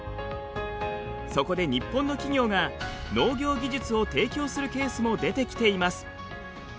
そこで日本の企業が農業技術を提供するケースも出てきています。